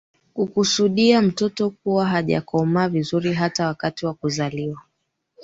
kukusudia mtoto kuwa hajakomaa vizuri hata wakati wa kuzaliwa